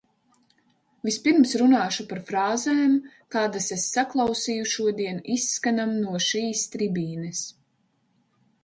Vispirms runāšu par frāzēm, kādas es saklausīju šodien izskanam no šīs tribīnes.